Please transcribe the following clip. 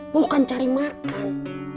bukan cari makan